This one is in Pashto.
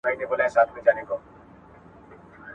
پښتون د هر افغان لپاره د ویاړ یوه سرچینه ده.